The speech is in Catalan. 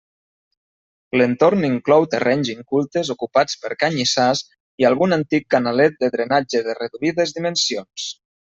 L'entorn inclou terrenys incultes ocupats per canyissars i algun antic canalet de drenatge de reduïdes dimensions.